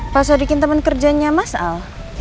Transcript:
pak sodikin temen kerjanya mas al